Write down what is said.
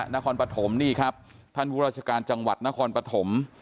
นกรปฐมนี่ครับท่านบริษัทกาลจังหวัดนกรปฐม